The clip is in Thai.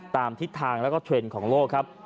ตามทิศทางแล้วก็เทรนด์ของโลกครับ